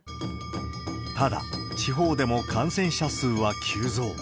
ただ、地方でも感染者数は急増。